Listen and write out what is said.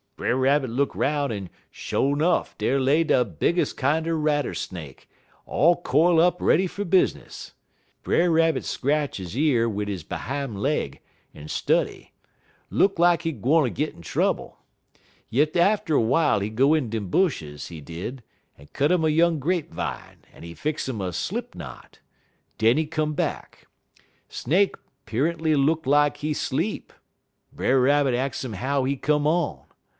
"Brer Rabbit look 'roun', en sho' nuff dar lay de bigges' kinder rattlesnake, all quile up ready fer business. Brer Rabbit scratch he year wid he behime leg, en study. Look lak he gwine git in trouble. Yit atter w'ile he go off in de bushes, he did, en cut 'im a young grape vine, en he fix 'im a slip knot. Den he come back. Snake 'periently look lak he sleep. Brer Rabbit ax 'im how he come on.